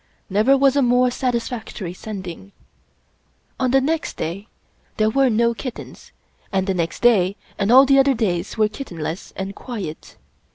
Never was a more satisfactory Sending. On the next day there were no kittens, and the next day and all the other days were kittenless and quiet.